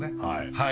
はい。